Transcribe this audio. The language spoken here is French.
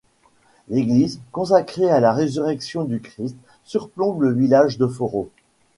L'église, consacrée à la Résurrection du Christ, surplombe le village de Foros.